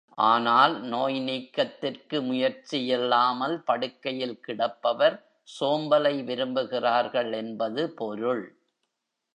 ஆனால் நோய் நீக்கத்திற்கு முயற்சியில்லாமல் படுக்கையில் கிடப்பவர் சோம்பலை விரும்புகிறார்கள் என்பது பொருள்.